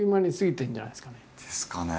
ですかね。